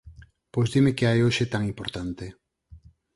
Pois dime que hai hoxe tan importante.